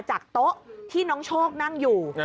จากโต๊ะที่น้องโชคนั่งอยู่